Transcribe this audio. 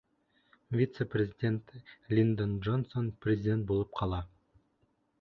Вице-президент Линдон Джонсон президент булып ҡала.